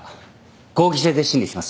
合議制で審理します。